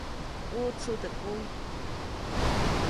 ʼUʼtsu teʼ kujy.